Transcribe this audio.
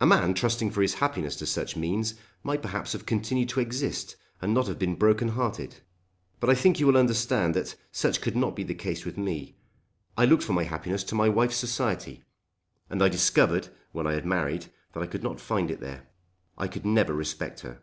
A man trusting for his happiness to such means might perhaps have continued to exist and not have been broken hearted. But I think you will understand that such could not be the case with me. I looked for my happiness to my wife's society, and I discovered when I had married that I could not find it there. I could never respect her!